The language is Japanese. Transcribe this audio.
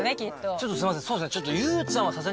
ちょっとすいません。